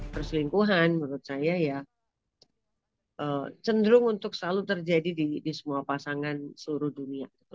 perselingkuhan menurut saya ya cenderung untuk selalu terjadi di semua pasangan seluruh dunia gitu